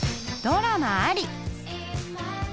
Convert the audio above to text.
ドラマあり。